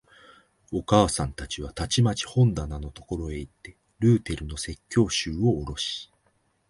お母さんはたちまち本棚のところへいって、ルーテルの説教集をおろし、